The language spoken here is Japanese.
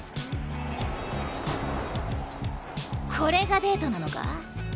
これがデートなのか？